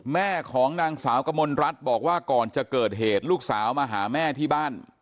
แม่ของนางสาวกมลรัฐบอกว่าก่อนจะเกิดเหตุลูกสาวมาหาแม่ที่บ้าน